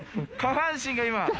下半身が今。